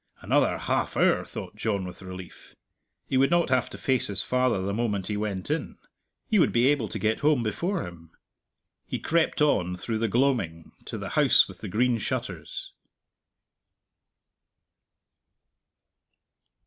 "Another half hour!" thought John with relief. He would not have to face his father the moment he went in. He would be able to get home before him. He crept on through the gloaming to the House with the Green Shutters.